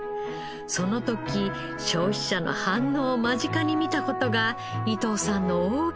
その時消費者の反応を間近に見た事が伊藤さんの大きな力になったのです。